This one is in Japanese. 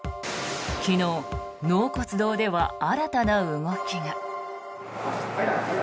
昨日、納骨堂では新たな動きが。